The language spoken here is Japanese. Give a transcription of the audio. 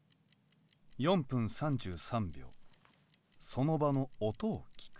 ４分３３秒その場の「音」を聴く。